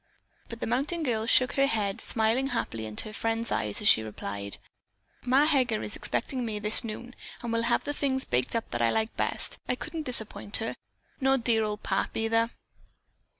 But the mountain girl shook her head, smiling happily into her friend's eyes as she replied: "Ma Heger is expecting me this noon and will have the things baked up that I like best. I couldn't disappoint her nor dear old Pap, either."